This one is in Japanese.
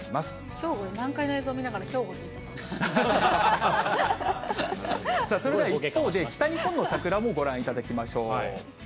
兵庫で満開の映像見ながら、それでは一方で、北日本の桜もご覧いただきましょう。